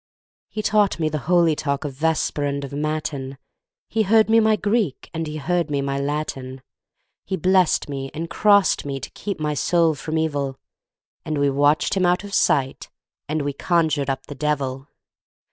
He taught me the holy talk of Vesper and of Matin, He heard me my Greek and he heard me my Latin, He blessed me and crossed me to keep my soul from evil, And we watched him out of sight, and we conjured up the devil!